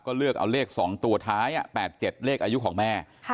ก็เลือกเอาเลขสองตัวท้ายแปดเจ็ดเลขอายุของแม่